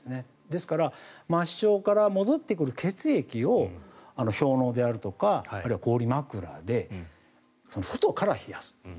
ですから末梢から戻ってくる血液を氷のうであるとかあるいは氷枕で外から冷やす。